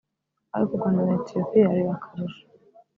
ariko u Rwanda na Ethiopia biba akarusho